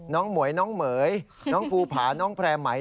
หมวยน้องเหม๋ยน้องภูผาน้องแพร่ไหม